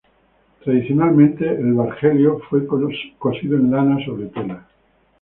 Tradicionalmente, el Bargello fue cosido en lana sobre tela.